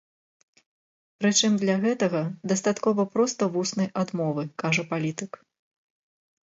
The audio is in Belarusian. Прычым для гэтага дастаткова проста вуснай адмовы, кажа палітык.